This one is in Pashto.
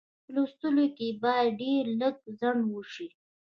په لوستلو کې یې باید ډېر لږ ځنډ وشي.